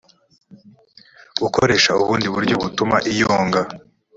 gukoresha ubundi buryo butuma iyonga